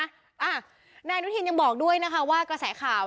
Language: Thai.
นายอนุทินยังบอกด้วยนะคะว่ากระแสข่าว